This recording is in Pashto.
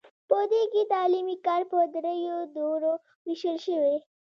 په دې کې تعلیمي کار په دریو دورو ویشل شوی.